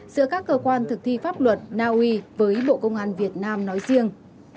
giữa các cơ quan thực thi pháp luật naui với bộ công an việt nam nói riêng